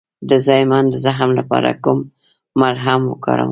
د زایمان د زخم لپاره کوم ملهم وکاروم؟